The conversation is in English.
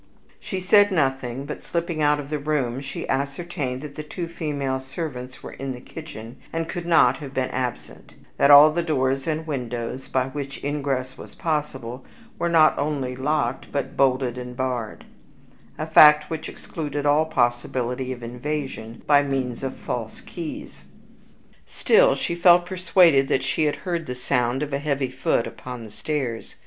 She said nothing, but, slipping out of the room, she ascertained that the two female servants were in the kitchen, and could not have been absent; that all the doors and windows, by which ingress was possible, were not only locked, but bolted and barred a fact which excluded all possibility of invasion by means of false keys. Still she felt persuaded that she had heard the sound of a heavy foot upon the stairs.